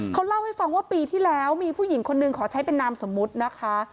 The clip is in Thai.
เขาเล่าให้ฟังว่าปีที่แล้วมีผู้หญิงคนนึงขอใช้เป็นนามสมมุตินะคะ